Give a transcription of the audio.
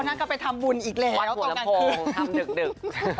เท่านั้นก็ไปทำบุญอีกแล้วตรงกลางคืนวาดหัวละโพงทำเด็ก